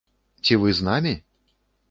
Ці вы з намі?